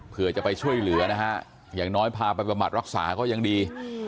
เพื่อจะไปช่วยเหลือนะฮะอย่างน้อยพาไปประบัดรักษาก็ยังดี